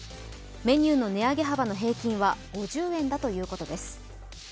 メニューの値上げ幅の平均は５０円だということです。